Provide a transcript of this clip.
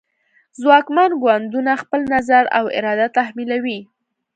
ځواکمن ګوندونه خپل نظر او اراده تحمیلوي